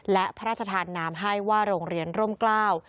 และพระราชทานน้ำให้ว่าโรงเรียนร่มกล้า